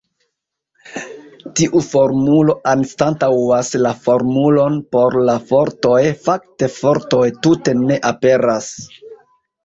Tiu formulo anstataŭas la formulon por la fortoj; fakte fortoj tute ne aperas.